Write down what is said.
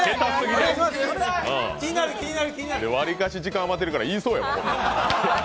わりかし時間余ってるから言いそうやわ。